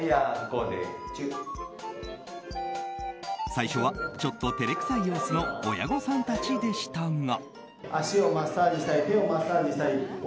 最初はちょっと照れくさい様子の親御さんたちでしたが。